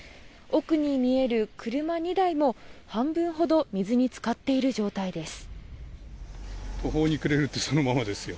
奥に見える車２台も、半分ほど水に浸かっている状態です。